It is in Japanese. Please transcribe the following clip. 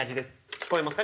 聞こえますか？